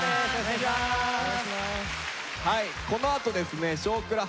このあとですね「少クラ」